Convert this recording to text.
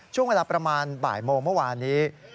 ช่วงเวลาประมาณบ่ายโมงเมื่อวานนี้